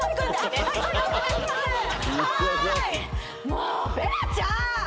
もーうベラちゃん！